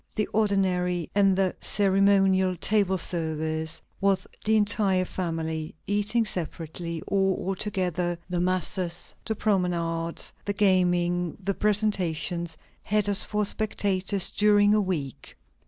The ordinary and the ceremonial table service of the entire family, eating separately or all together, the masses, the promenades, the gaming, the presentations, had us for spectators during a week."